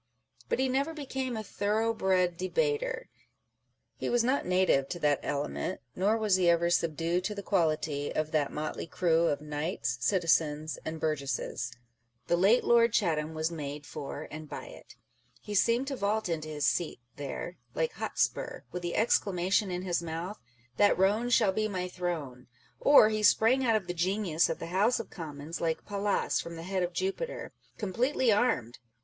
But he never became a thorough bred debater. He was not " native to that element," nor was he ever " subdued to the quality " of that motley crew of knights, citizens, and burgesses. The late Lord Chatham was made for, and by it. He seemed to vault into his seat there, like Hotspur, with the excla mation in his mouth â€" " that Roan shall be my throne." Or he sprang out of the genius of the House of Commons, like Pallas from the head of Jupiter, completely armed.